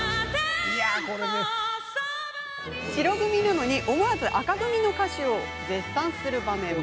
白組なのに思わず紅組の歌手を絶賛する場面も。